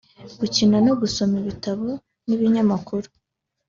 gukina no gusoma ibitabo n’ibinyamakuru